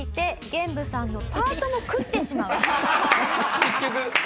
結局。